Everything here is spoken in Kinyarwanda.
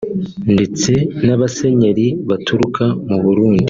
ndetse n’abasenyeri baturuka mu Burundi